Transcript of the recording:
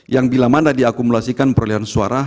yang bila mana diakumulasikan perolehan suara